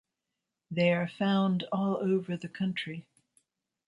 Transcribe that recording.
They are found all over the country.